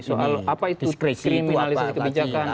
soal apa itu kriminalisasi kebijakan